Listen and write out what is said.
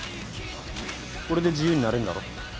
これで自由になれんだろ？